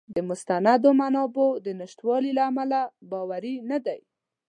د مستندو منابعو د نشتوالي له امله باوری نه دی.